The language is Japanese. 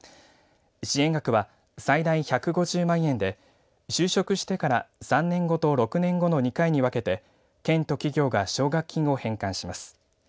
支援額は最大１５０万円で就職してから３年後と６年後の２回に分けて県と企業が奨学金を返還します。